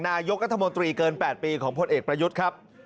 นายกรัฐมนตรีเกิน๘ปีของพลเอกประยุทธ์ครับ